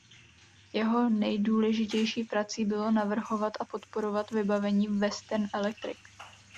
Jeho nejdůležitější prací bylo navrhovat a podporovat vybavení Western Electric.